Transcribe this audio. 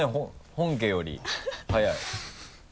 本家より早い。